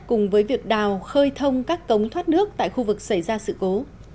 cùng với việc đào khơi thông các cống thoát nước tại khu vực xảy ra sự cố